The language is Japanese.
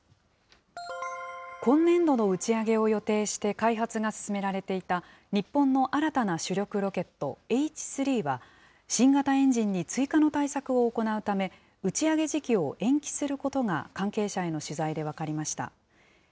今年度の打ち上げを予定して開発が進められていた日本の新たな主力ロケット、Ｈ３は、新型エンジンに追加の対策を行うため、打ち上げ時期を延期することが、関係者への取材で分かりました。